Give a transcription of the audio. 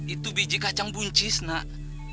itu biji kacang buncis nak